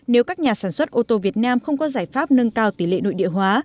nếu các nhà sản xuất ô tô việt nam không có giải pháp nâng cao tỷ lệ nội địa hóa